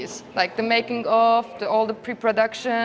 seperti pembuatan semua pre produksi